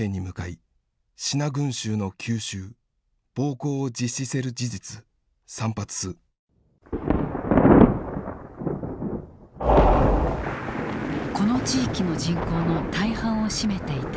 この地域の人口の大半を占めていた中華系の住民。